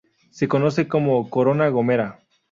Se conoce como "corona gomera".